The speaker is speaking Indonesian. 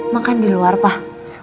makan di luar pak